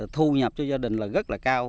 thu nhập cho gia đình là rất là cao